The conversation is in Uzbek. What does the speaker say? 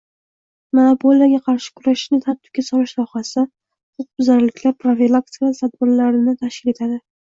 monopoliyaga qarshi kurashishni tartibga solish sohasida huquqbuzarliklar profilaktikasi tadbirlarini tashkil etadi